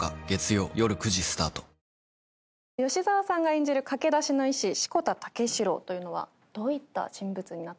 吉沢さんが演じる駆け出しの医師志子田武四郎というのはどういった人物になってますか？